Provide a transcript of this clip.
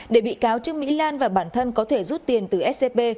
để bị cáo trương mỹ lan và bản thân có thể rút tiền từ scb